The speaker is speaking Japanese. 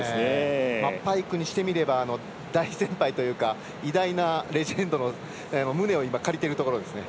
パイクにしてみれば大先輩というか偉大なレジェンドの胸を借りてるところですね。